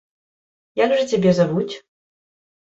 Як жа цябе завуць?